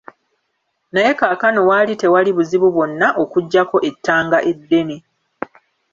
Naye kaakano waali tewali buzibu bwonna okuggyako ettanga eddene.